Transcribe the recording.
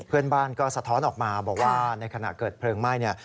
เพื่อนบ้านก็สะท้อนออกมาบอกว่าในขณะเกิดเพลิงไหม้เนี่ย